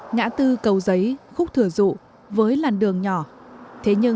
ngã tư cầu giấy khúc thừa dụ với làn đường nhỏ